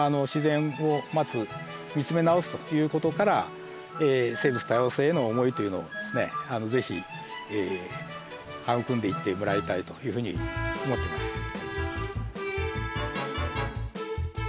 自然をまず見つめ直すという事から生物多様性への思いというのをですね是非育んでいってもらいたいというふうに思ってます。